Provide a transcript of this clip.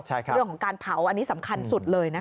เรื่องของการเผาอันนี้สำคัญสุดเลยนะคะ